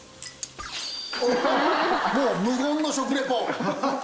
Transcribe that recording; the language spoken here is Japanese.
もう無言の食リポ！